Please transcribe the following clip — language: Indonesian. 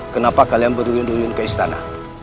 kenapa kalian berdua nyun yun ke istana